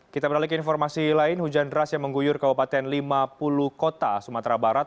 kita beralih ke informasi lain hujan deras yang mengguyur kabupaten lima puluh kota sumatera barat